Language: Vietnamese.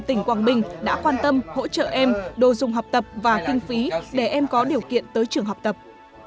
tỉnh quảng bình đã quan tâm hỗ trợ em đồ dùng học tập và kinh phí để em có điều kiện tới trường học tập